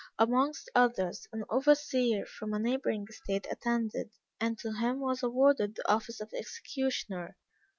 Amongst others, an overseer from a neighboring estate attended; and to him was awarded the office of executioner.